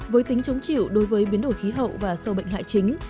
với tính chống chịu đối với biến đổi khí hậu và sâu bệnh hại chính